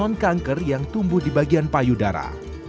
dan juga jenis anak non kanker yang tumbuh di bagian payudara